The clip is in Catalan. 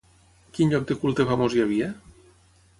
Quin lloc de culte famós hi havia?